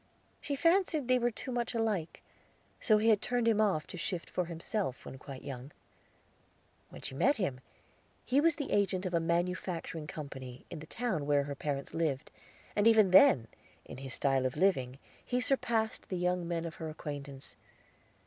She fancied they were too much alike; so he had turned him off to shift for himself, when quite young. When she met him, he was the agent of a manufacturing company, in the town where her parents lived, and even then, in his style of living, he surpassed the young men of her acquaintance.